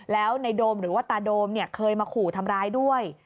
แล้วในโดมหรือว่าตาโดมเนี่ยเคยมาขู่ทำร้ายด้วย